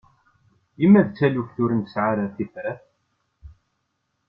I ma d taluft ur nesɛi ara tifrat?